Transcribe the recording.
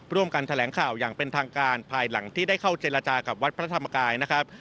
ร่วมกันแถลงข่าวอย่างเป็นทางการภายหลังที่ได้เข้าเจรจากับวัดพระธรรมกายนะครับ